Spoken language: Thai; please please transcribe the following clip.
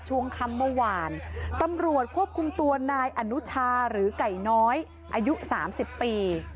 ช่วงคำเมื่อวานตำรวจควบคุมตัวนายอนุชาหรือไก่น้อยอายุ๓๐ปี